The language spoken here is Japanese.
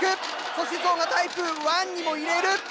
そしてゾウがタイプ１にも入れる！